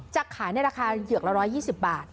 จะขายในราคาเหยือกละ๑๒๐บาท